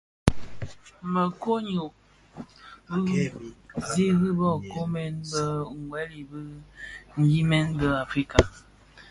Më koň ňyô bi siri bë nkoomèn bë, wuèl wu ndiňyèn bi Africa.